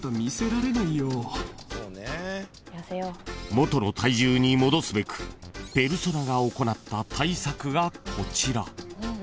［元の体重に戻すべくペルソナが行った対策がこちら］